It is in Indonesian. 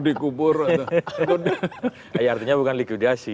dikubur artinya bukan likuidasi